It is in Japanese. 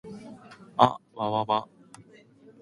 あっわわわ